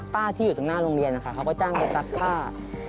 ที่อยู่ตรงหน้าโรงเรียนนะคะเขาก็จ้างไปซักผ้า